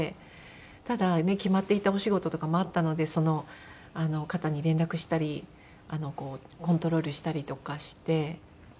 ただ決まっていたお仕事とかもあったのでその方に連絡したりコントロールしたりとかして。